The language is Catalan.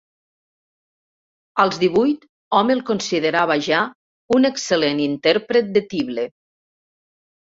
Als divuit hom el considerava ja un excel·lent intèrpret de tible.